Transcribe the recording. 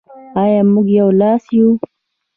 آیا موږ یو لاس یو؟